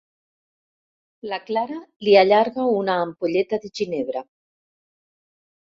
La Clara li allarga una ampolleta de ginebra.